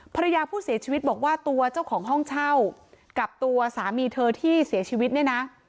ภรรยาผู้เสียชีวิตบอกว่าตัวเจ้าของห้องเช่ากับตัวสามีเธอที่เสียชีวิตเนี่ยนะ